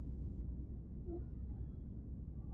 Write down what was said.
本片是演员岳华生前的最后一部电影演出。